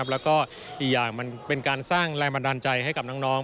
แล้วก็อีกอย่างมันเป็นการสร้างแรงบันดาลใจให้กับน้อง